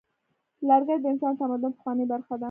لرګی د انسان د تمدن پخوانۍ برخه ده.